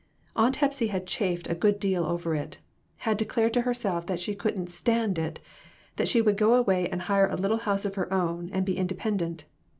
Aunt Hepsy had chafed a good deal over it; had declared to herself that she couldn't "stand" it; that she would go away and hire a little house of her own, and be independent.